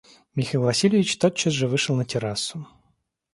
Михаил Васильевич тотчас же вышел на террасу.